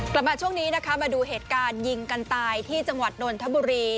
กลับมาช่วงนี้นะคะมาดูเหตุการณ์ยิงกันตายที่จังหวัดนนทบุรี